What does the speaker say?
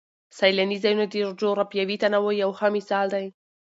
سیلاني ځایونه د جغرافیوي تنوع یو ښه مثال دی.